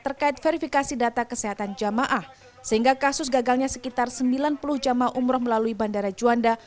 terkait verifikasi data kesehatan jamaah sehingga kasus gagalnya sekitar sembilan puluh jamaah umroh melalui bandara juanda